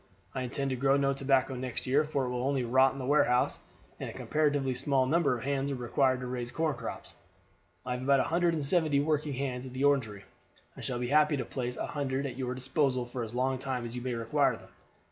I intend to grow no tobacco next year, for it will only rot in the warehouse, and a comparatively small number of hands are required to raise corn crops. I have about a hundred and seventy working hands on the Orangery, and shall be happy to place a hundred at your disposal for as long a time as you may require them.